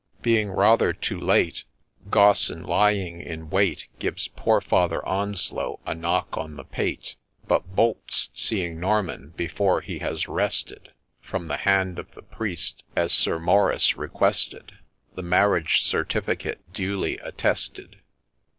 Being rather too late, Gaussen, lying in wait, Gives poor Father Onslow a knock on the pate, But bolts, seeing Norman, before he has wrested From the hand of the Priest, as Sir Maurice requested, The marriage certificate duly attested.